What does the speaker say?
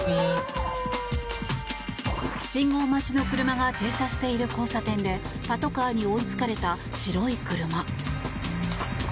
信号待ちの車が停車している交差点でパトカーに追いつかれた白い車。